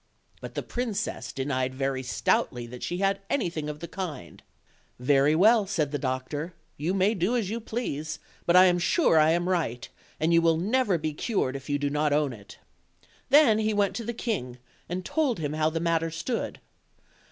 But the princess denied very stoutly that she had anything of the kind. "Very well," said the doctor, "you may do as you please, but I am sure I am right, and you will never be cured if you do not own it." Then he went to the king, and told him how the matter stood.